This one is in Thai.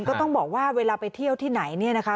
ก็ต้องบอกว่าเวลาไปเที่ยวที่ไหนเนี่ยนะคะ